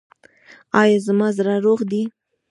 ایا زما زړه روغ دی؟